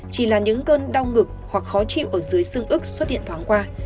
chỉ là những cơn đau ngực hoặc khó chịu ở dưới xương ức xuất hiện thoáng qua